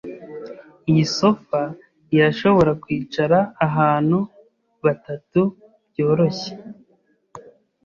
Iyi sofa irashobora kwicara abantu batatu byoroshye.